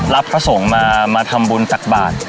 พระสงฆ์มาทำบุญตักบาท